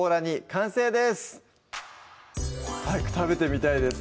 完成です早く食べてみたいです